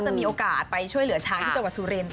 จะมีโอกาสไปช่วยเหลือช้างที่เจอกับซุเรียนต่อ